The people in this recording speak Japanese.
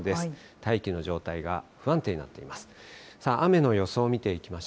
大気の状態が不安定になっています。